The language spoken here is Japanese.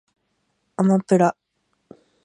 あまぷら